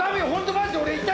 マジで！